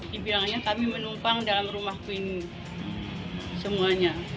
dibilangnya kami menumpang dalam rumahku ini semuanya